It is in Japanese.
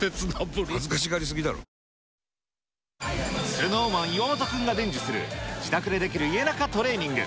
ＳｎｏｗＭａｎ・岩本君が伝授する、自宅でできるイエナカトレーニング。